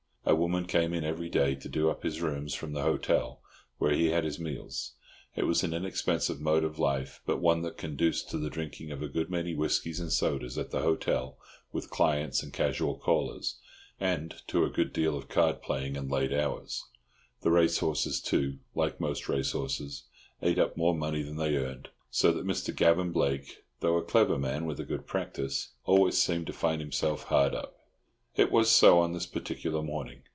A woman came in every day to do up his rooms from the hotel, where he had his meals. It was an inexpensive mode of life, but one that conduced to the drinking of a good many whiskies and sodas at the hotel with clients and casual callers, and to a good deal of card playing and late hours. The racehorses, too, like most racehorses, ate up more money than they earned. So that Mr. Gavan Blake, though a clever man, with a good practice, always seemed to find himself hard up. It was so on this particular morning.